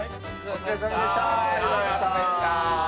お疲れさまでした。